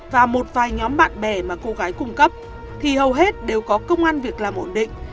và một vài nhóm bạn bè mà cô gái cung cấp thì hầu hết đều có công an việc làm ổn định